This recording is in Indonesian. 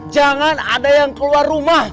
jangan ada yang keluar rumah